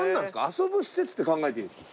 遊ぶ施設って考えていいんですか？